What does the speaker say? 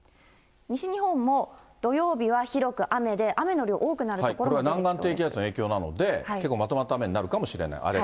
西日本も土曜日は広く雨で、これが南岸低気圧の影響なので、結構まとまった雨になるかもしれない。